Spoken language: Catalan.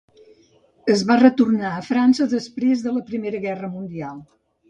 Es va retornar a França després de la Primera Guerra Mundial.